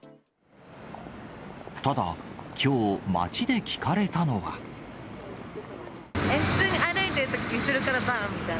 ただ、きょう、普通に歩いているときに、後ろからバンみたいな。